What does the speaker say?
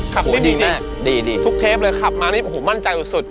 ขับนี้จริงทุกเทปเลยขับมานี่มั่นใจสุด